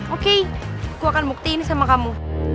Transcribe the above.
oke aku akan buktiin sama kamu